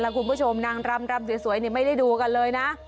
คุณผู้ชมนางรำรำสวยไม่ได้ดูกันเลยนะ